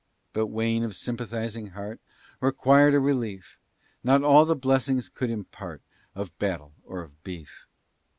But Wayne, of sympathizing heart, Required a relief, Not all the blessings could impart Of battle or of beef.